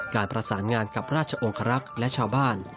การประสานงานกับราชองครักษ์และชาวบ้าน